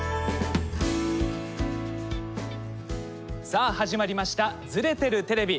さあ始まりました「ズレてるテレビ」！